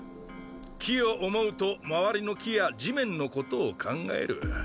木を思うと周りの木や地面のことを考える。